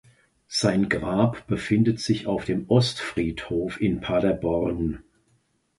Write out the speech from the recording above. Sein Grab befindet sich auf dem Ostfriedhof in Paderborn.